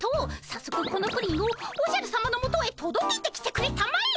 さっそくこのプリンをおじゃるさまのもとへとどけてきてくれたまえ。